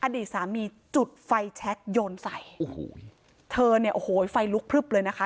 อดีตสามีจุดไฟแชคโยนใส่โอ้โหเธอเนี่ยโอ้โหไฟลุกพลึบเลยนะคะ